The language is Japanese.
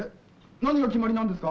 何が決まりなんですか？